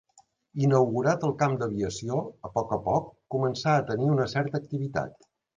Inaugurat el camp d’aviació a poc a poc començà a tenir una certa activitat.